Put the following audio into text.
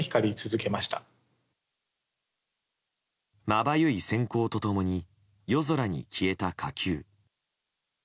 まばゆい閃光と共に夜空に消えた火球。